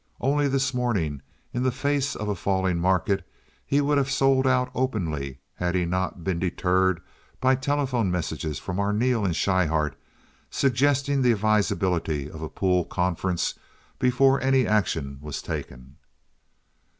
Only this morning, in the face of a falling market, he would have sold out openly had he not been deterred by telephone messages from Arneel and Schryhart suggesting the advisability of a pool conference before any action was taken.